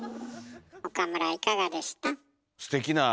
岡村いかがでした？